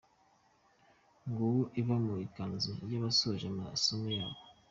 Nguwo Eva mu ikanzu y'abasoje amasomo yabo.